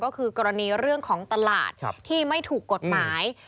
ก็คือกรณีเรื่องของตลาดที่ไม่ถูกกฎหมาย